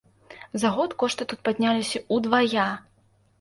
За год кошты тут падняліся ўдвая!